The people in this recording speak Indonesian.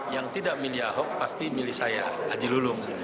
yang tidak milih ahok pasti milih saya haji lulung